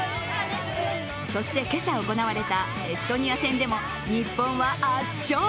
そして今朝行われたエストニア戦でも、日本は圧勝！